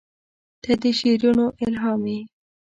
• ته د شعرونو الهام یې.